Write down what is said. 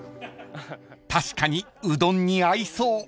［確かにうどんに合いそう］